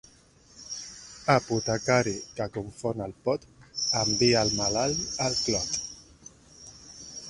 Apotecari que confon el pot envia el malalt al clot.